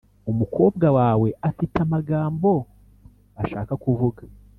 umukobwa wawe afite amagambo ashaka kuvuga